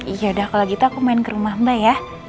yaudah kalo gitu aku main ke rumah mbak ya